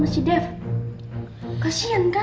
masa ini aku mau ke rumah